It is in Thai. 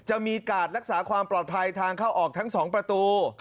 จะมีการรักษาความปลอดภัยทางเข้าออกทั้ง๒ประตู